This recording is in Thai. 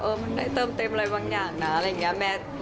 มันได้เติมเต็มอะไรบางอย่างนะอะไรอย่างนี้แม่